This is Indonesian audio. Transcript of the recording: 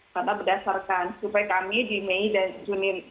karena berdasarkan supaya kami di mei dan jumat